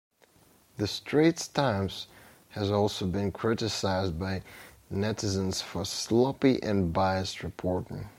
The Straits Times has also been criticised by netizens for sloppy and biased reporting.